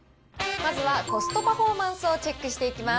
まずはコストパフォーマンスをチェックしていきます。